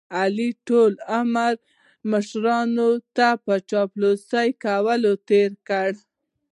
علي ټول عمر مشرانو ته په چاپلوسۍ کولو تېر کړ.